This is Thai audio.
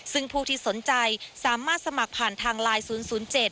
ซึ่งผู้ที่สนใจสามารถสมัครผ่านทางไลน์๐๐๗